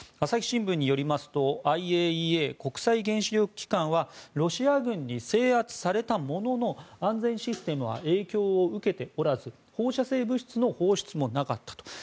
朝日新聞によりますとＩＡＥＡ・国際原子力機関はロシア軍に制圧されたものの安全システムは影響を受けておらず放射性物質の放出もなかったと。